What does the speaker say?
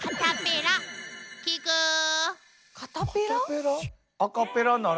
カタペラ？